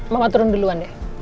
mama turun duluan dek